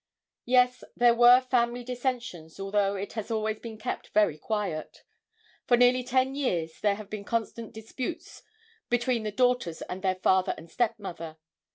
"Yes, there were family dissentions although it has been always kept very quiet. For nearly ten years there have been constant disputes between the daughters and their father and stepmother.